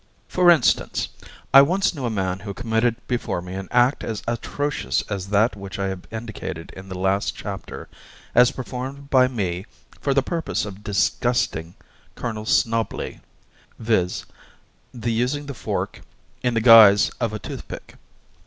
For instance: I once knew a man who committed before me an act as atrocious as that which I have indicated in the last chapter as performed by me for the purpose of disgusting Colonel Snobley; viz, the using the fork in the guise of a toothpick.